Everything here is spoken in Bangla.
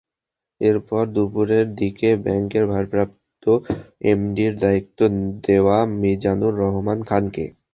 এরপর দুপুরের দিকে ব্যাংকের ভারপ্রাপ্ত এমডির দায়িত্ব দেওয়া মিজানুর রহমান খানকে।